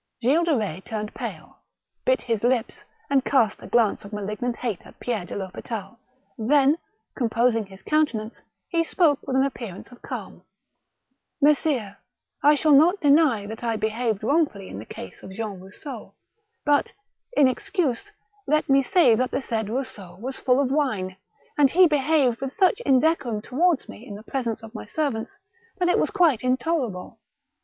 Gilles de Eetz turned pale, bit his lips, and cast a glance of malignant hate at Pierre de THospital ; then, composing his countenance, he spoke with an appear ance of calm :—" Messires, I shall not deny that I behaved wrong fully in the case of Jean Rousseau ; but, in excuse, let me say that the said Rousseau was full of wine, and he behaved with such indecorum towards me in the pre sence of my servants, that it was quite intolerable.